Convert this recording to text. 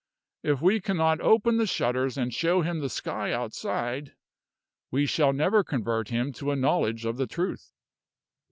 If we cannot open the shutters and show him the sky outside, we shall never convert him to a knowledge of the truth."